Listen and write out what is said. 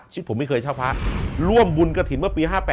ชีวิตผมไม่เคยเช่าพระร่วมบุญกฐินเมื่อปี๕๘อะ